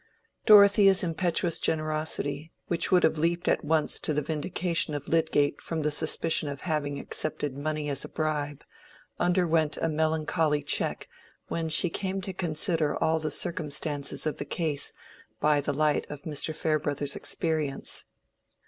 Dorothea's impetuous generosity, which would have leaped at once to the vindication of Lydgate from the suspicion of having accepted money as a bribe, underwent a melancholy check when she came to consider all the circumstances of the case by the light of Mr. Farebrother's experience.